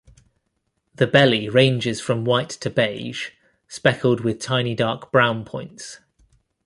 The belly ranges from white to beige, speckled with tiny dark brown points.